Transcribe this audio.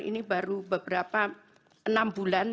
ini baru beberapa enam bulan